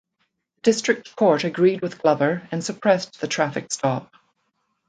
The district court agreed with Glover and suppressed the traffic stop.